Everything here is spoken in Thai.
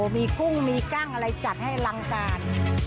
มีกุ้งมีกั้งอะไรจัดให้อลังการ